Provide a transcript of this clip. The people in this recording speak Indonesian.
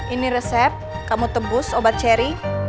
ini resep kamu tebus obat ceri